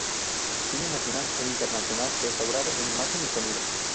Cine nacional e internacional restaurado en imagen y sonido.